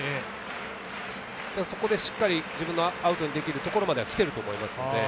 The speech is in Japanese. そこでしっかり自分のアウトにできる所までは来ていると思いますので。